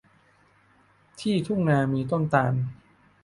ที่ทุ่งนามีต้นตาล